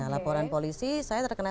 laporan polisi saya terkena